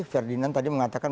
ferdinand tadi mengatakan